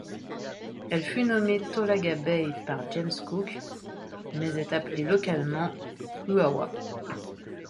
Elle fut nommée Tolaga Bay par James Cook, mais est appelée localement Uawa.